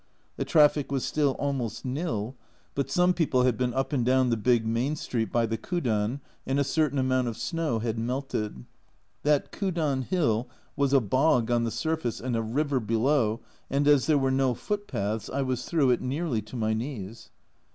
The traffic was still almost nil, but some people had been up and down the big main street by the Kudan, and a certain amount of snow had melted. That Kudan hill was a bog on the surface and a river below, and as there were no footpaths, I was through it nearly to my knees.